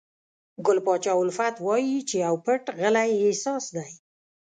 ګل پاچا الفت وایي چې پو پټ غلی احساس دی.